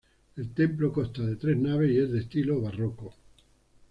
El templo consta de tres naves y es de estilo barroco.